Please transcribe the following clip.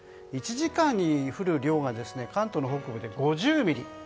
１時間に降る量が関東の北部で５０ミリ。